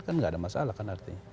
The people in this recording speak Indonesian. kan nggak ada masalah kan artinya